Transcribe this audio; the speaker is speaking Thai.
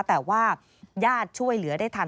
แต่ว่าญาติช่วยเหลือได้ทัน